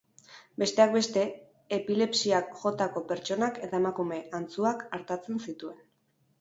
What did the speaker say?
Besteak beste, epilepsiak jotako pertsonak eta emakume antzuak artatzen zituen.